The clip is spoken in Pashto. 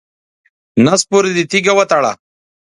نس پورې دې تیږې وتړه.